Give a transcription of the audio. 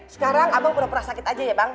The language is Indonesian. sekarang abang pura pura sakit aja ya bang